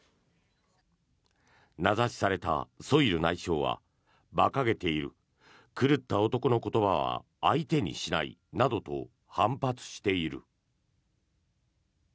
名指しされたソイル内相は馬鹿げている狂った男の言葉は相手にしないなどと反発している。